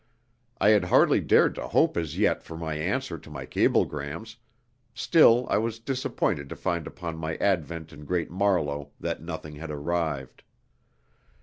I had hardly dared to hope as yet for any answer to my cablegrams, still I was disappointed to find upon my advent in Great Marlow that nothing had arrived.